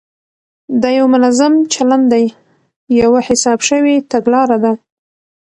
دا یو منظم چلند دی، یوه حساب شوې تګلاره ده،